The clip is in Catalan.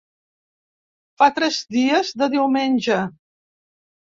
Fa tres dies de diumenge.